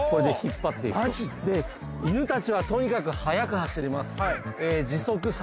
犬達はとにかく速く走ります